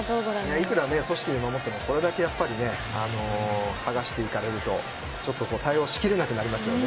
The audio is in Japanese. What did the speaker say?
いくら組織で守ってもこれだけ剥がしていかれるとちょっと対応しきれなくなりますよね。